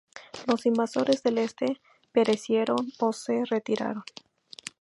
Los invasores del Este perecieron o se retiraron".